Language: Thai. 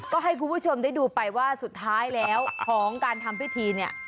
ก็ให้คุณผู้ชมได้ดูไปว่าสุดท้ายแล้วของการทำพิธีเนี่ย